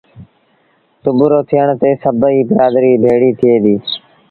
سُڀورو ٿيڻ تي سڀئيٚ برآدريٚ ڀيڙيٚ ٿئي ديٚ